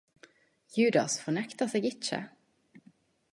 Judas fornektar seg ikkje!